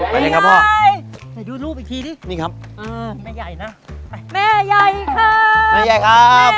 แม่ใหญ่ดูรูปอีกทีดิแม่ใหญ่นะ